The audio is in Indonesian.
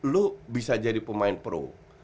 lo bisa jadi pemain pro